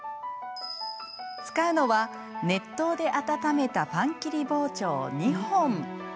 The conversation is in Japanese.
使うのは熱湯で温めたパン切り包丁、２本。